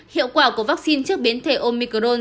hiệu quả của vaccine trước biến thể omicron